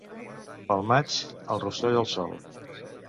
Pel maig, el rostoll al sol.